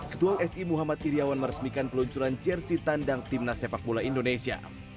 ketua lsi muhammad iryawan meresmikan peluncuran jersi tandang timnas sepak bola indonesia